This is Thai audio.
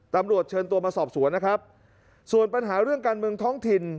ตำรวจเชิญตัวมาสอบสวนนะครับส่วนปัญหาเรื่องการเมืองท้องถิ่น